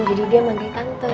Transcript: jadi dia manggil tante ya kan